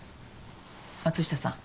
松下さん